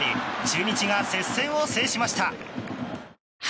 中日が接戦を制しました。